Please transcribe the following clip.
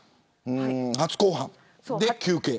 初公判で求刑。